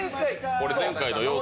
これ、前回の様子。